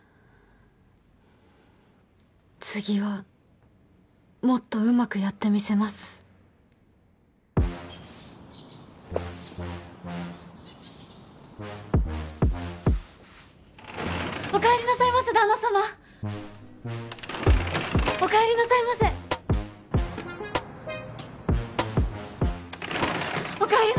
次はもっとうまくやってみせますおかえりなさいませ旦那さまおかえりなさいませおかえり